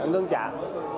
ngưng những cái kế ốt